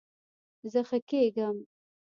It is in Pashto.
زه ښه کیږم